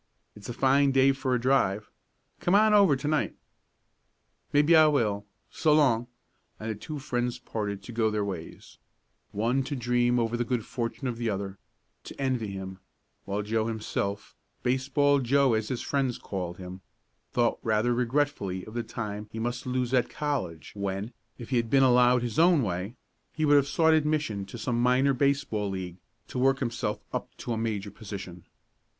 "It's a fine day for a drive. Come on over to night." "Maybe I will so long," and the two friends parted to go their ways, one to dream over the good fortune of the other to envy him while Joe himself Baseball Joe as his friends called him thought rather regretfully of the time he must lose at college when, if he had been allowed his own way, he would have sought admission to some minor baseball league, to work himself up to a major position.